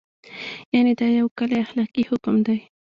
یعنې دا یو کلی اخلاقي حکم دی.